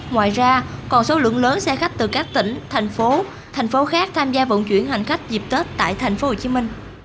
ngoài ra còn số lượng lớn xe khách từ các tỉnh thành phố thành phố khác tham gia vận chuyển hành khách dịp tết tại tp hcm